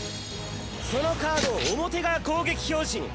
そのカードを表側攻撃表示に！